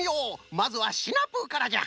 まずはシナプーからじゃ。